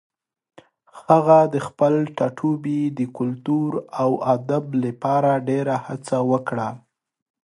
هغه د خپل ټاټوبي د کلتور او ادب لپاره ډېره هڅه وکړه.